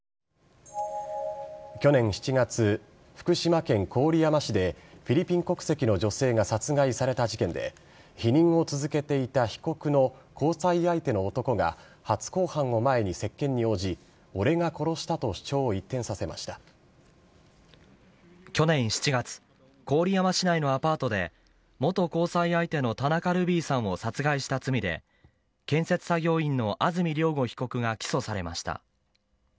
去年７月、福島県郡山市でフィリピン国籍の女性が殺害された事件で否認を続けていた被告の交際相手の男が初公判を前に接見に応じ俺が殺したと主張を去年７月郡山市内のアパートで元交際相手の田中ルビーさんを殺害した罪で建設作業員の安住亮吾被告が起訴されました。